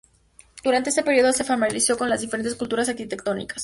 Durante este período se familiarizó con las diferentes culturas arquitectónicas.